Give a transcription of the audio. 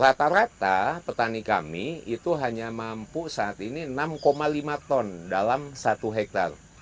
rata rata petani kami itu hanya mampu saat ini enam lima ton dalam satu hektare